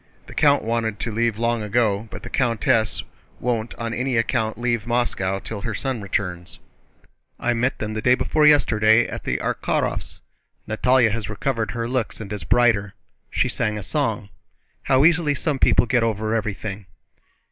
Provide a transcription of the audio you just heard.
The count wanted to leave long ago, but the countess won't on any account leave Moscow till her son returns." "I met them the day before yesterday at the Arkhárovs'. Natalie has recovered her looks and is brighter. She sang a song. How easily some people get over everything!"